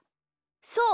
そう。